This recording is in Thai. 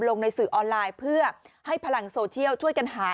ในสื่อออนไลน์เพื่อให้พลังโซเชียลช่วยกันหา